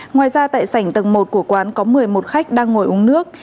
ngoài ra tại sảnh tầng một của quán có một mươi một khách đang ngồi uống nước